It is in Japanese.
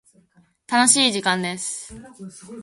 楽しい時間です。